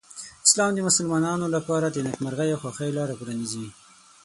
اسلام د مسلمانانو لپاره د نېکمرغۍ او خوښۍ لاره پرانیزي.